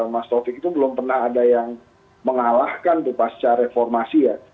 mas taufik itu belum pernah ada yang mengalahkan tuh pasca reformasi ya